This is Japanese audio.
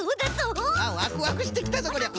ワクワクしてきたぞこりゃ。